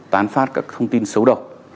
tán phát các thông tin xấu độc